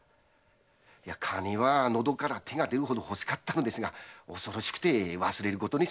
金は喉から手が出るほど欲しかったのですが恐ろしくて忘れることにしました。